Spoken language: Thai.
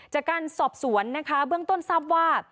จากการสอบสวนนะคะเบื้องต้นทราบว่า